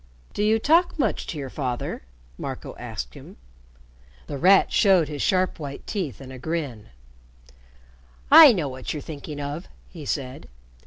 "Do you talk much to your father?" Marco asked him. The Rat showed his sharp white teeth in a grin. "I know what you're thinking of," he said.